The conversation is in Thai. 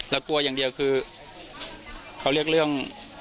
แล้วกลัวอย่างเดียวคือเขาเรียกเรื่อง